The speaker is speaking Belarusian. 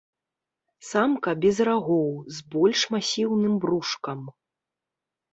Самка без рагоў, з больш масіўным брушкам.